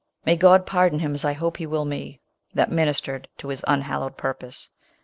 May God pardon him, as I hope he will me, that ministered to his unhallowed purpose !